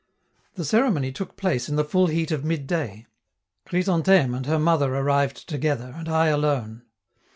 The ceremony took place in the full heat of midday; Chrysantheme and her mother arrived together, and I alone.